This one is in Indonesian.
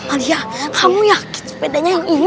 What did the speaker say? amalia kamu yakin sepedanya yang bagus